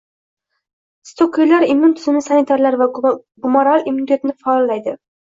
Sitokinlar immun tizimi sanitarlari va gumoral immunitetni faollaydi.